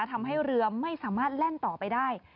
ทำให้เรือไม่สามารถแล่นต่อไปได้